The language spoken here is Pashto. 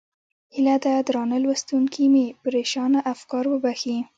هیله ده درانه لوستونکي مې پرېشانه افکار وبښي.